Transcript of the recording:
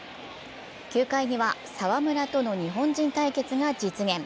９回には澤村との日本人対決が実現。